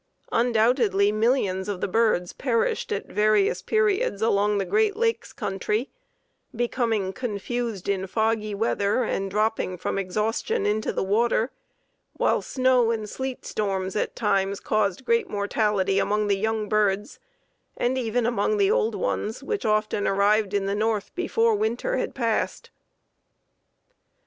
Undoubtedly millions of the birds perished at various periods along the Great Lakes country, becoming confused in foggy weather and dropping from exhaustion into the water, while snow and sleet storms at times caused great mortality among the young birds, and even among the old ones, which often arrived in the North before winter had passed.